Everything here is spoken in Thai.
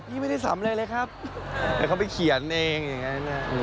ไม่ได้สำอะไรเลยครับแต่เขาไปเขียนเองอย่างนั้น